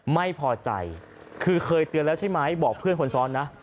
ไม่พอใจคือเคยเตือนแล้วใช่ไหมบอกเพื่อนคนซ้อนนะ